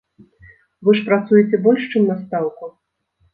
Вы ж працуеце больш, чым на стаўку?